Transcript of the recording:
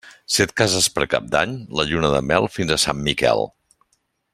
Si et cases per Cap d'Any, la lluna de mel fins a Sant Miquel.